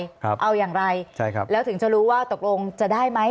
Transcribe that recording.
ครับใช่ครับเอายังไงแล้วถึงจะรู้ว่าตกลงจะได้ไหม